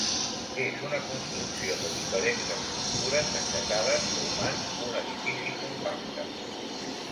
És una construcció de diferents estructures enllaçades, formant un edifici compacte.